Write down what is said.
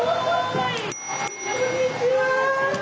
こんにちは。